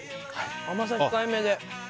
甘さ控えめで。